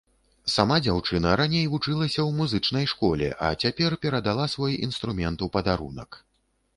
Сама дзяўчына раней вучылася ў музычнай школе, а цяпер перадала свой інструмент у падарунак.